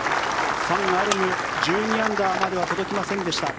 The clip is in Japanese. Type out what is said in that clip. ファン・アルム１２アンダーまでは届きませんでした。